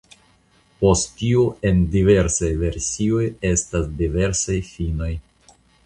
Post tio en diversaj versioj estas diversaj finoj.